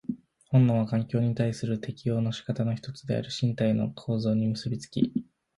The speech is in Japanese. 本能は環境に対する適応の仕方の一つであり、身体の構造に結び付き、